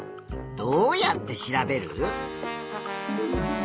どうやって調べる？